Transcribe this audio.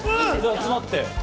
集まって。